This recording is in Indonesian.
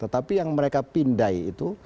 tetapi yang mereka pindai itu